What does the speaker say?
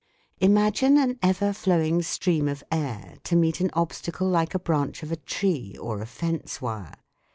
Im agine an ever flowing stream of air to meet an obstacle like a branch of a tree or a fence wire.